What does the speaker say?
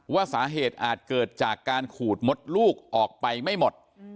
ว่าสาเหตุอาจเกิดจากการขูดมดลูกออกไปไม่หมด